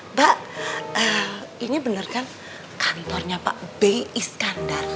mbak ini benar kan kantornya pak b iskandar